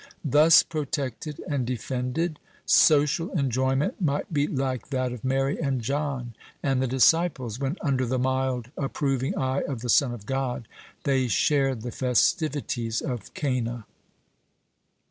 Thus protected and defended, social enjoyment might be like that of Mary and John, and the disciples, when, under the mild, approving eye of the Son of God, they shared the festivities of Cana.